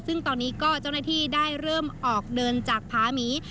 ซึ่งตอนนี้ก็เจ้าหน้าที่ได้เริ่มออกเดินจากผาหมี